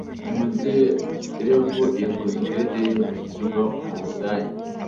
Umuderevu yakoze indege yihutirwa mu butayu.